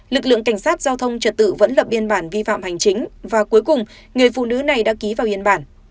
lực lượng cảnh sát giao thông trật tự vẫn lập biên bản vi phạm hành chính và cuối cùng người phụ nữ này đã ký vào biên bản